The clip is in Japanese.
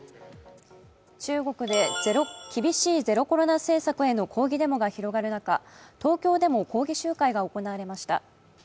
中国で厳しいゼロコロナ政策への抗議デモが広がる中、東京でも抗議集会が行われました。